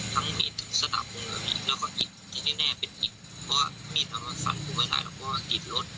แสดงแน่เป็นว่ามีพวกเราฟันกลางเรื่อยเราก็หยิดรถ